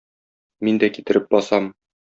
Мин дә китереп басам.